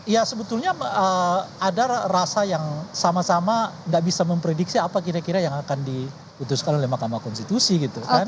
ya sebetulnya ada rasa yang sama sama gak bisa memprediksi apa kira kira yang akan diputuskan oleh mahkamah konstitusi gitu kan